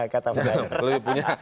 kata mas dara